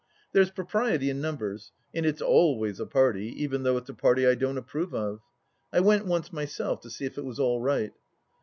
There's propriety in numbers, and it's always a party, even though it's a party I don't approve of. I went once myself, to see if it was all right.